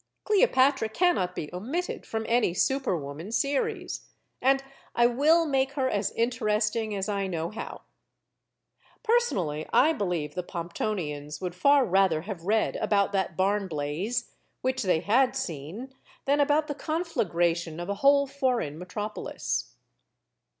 Cleopatra cannot be omitted from any super woman series. And I will make her as interesting as I know how. Personally, I belive the Pomptonians would far rather have read about that barn blaze, which they had seen, than about the conflagration of a whole foreign metropolis.